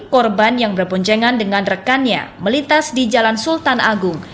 korban yang berboncengan dengan rekannya melintas di jalan sultan agung